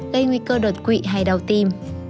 gây nguy cơ đột quỵ hay đau tim